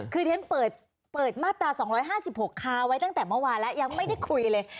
คือเค้เปิดเปิดมาตราสองร้อยห้าสิบหกคาไว้ตั้งแต่เมื่อวานแล้วยังไม่ได้คุยเลย